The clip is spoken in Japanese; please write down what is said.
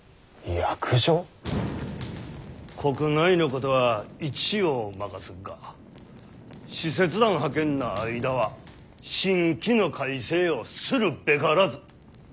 国内のことは一応任すっが使節団派遣の間は新規の改正をするべからず。